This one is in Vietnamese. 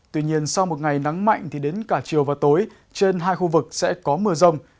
tuy nhiên sau một ngày nắng mạnh thì đến cả chiều và tối trên hai khu vực sẽ có mưa rông